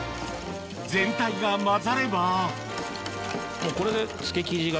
全体が混ざればこれで。